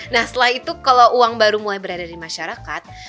nah setelah itu kalau uang baru mulai berada di masyarakat